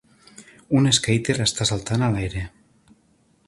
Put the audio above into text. Un skater està saltant a l'aire.